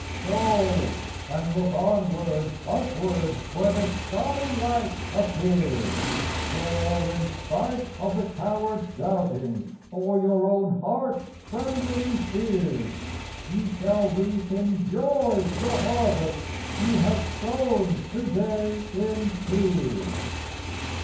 Sow ; and look onward, upward, Where the starry light appears, — Where, in spite of the coward's doubting, Or your own heart's trembling fears, You shall reap in joy the harvest You have sown to day in tears.